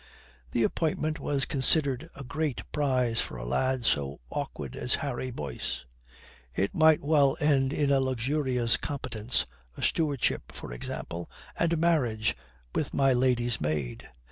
The appointment was considered a great prize for a lad so awkward as Harry Boyce. It might well end in a luxurious competence a stewardship, for example, and marriage with my lady's maid.